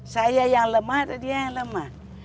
saya yang lemah atau dia yang lemah